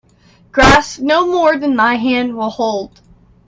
Grasp no more than thy hand will hold.